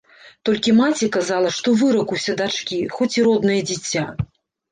Толькі маці казала, што выракуся дачкі, хоць і роднае дзіця.